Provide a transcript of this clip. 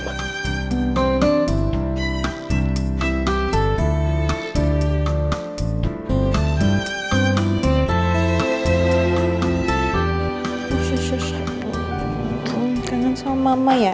tangan sama mama ya